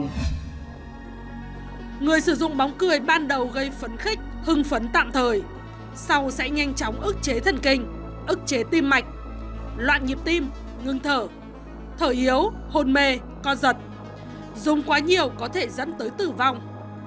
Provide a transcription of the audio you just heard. tổ công tác sẽ gây phấn khích hưng phấn tạm thời sau sẽ nhanh chóng ức chế thần kinh ức chế tim mạch loạn nhiệm tim ngưng thở thở yếu hôn mê co giật dùng quá nhiều có thể dẫn tới tử vong